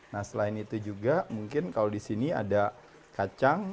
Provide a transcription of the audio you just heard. nah selain itu juga mungkin kalau di sini ada kacang